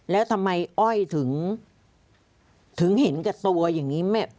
แล้วทำไมอ้อยถึงเห็นกับตัวอย่างนี้